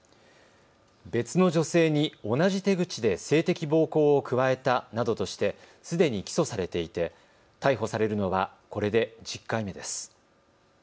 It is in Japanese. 別の女性に同じ手口で性的暴行を加えたなどとして、すでに起訴されていて逮捕されるのはこれで１０回目です。